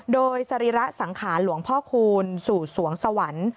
โดยสรีระสังขารหลวงพ่อคูณสู่สวงสวรรค์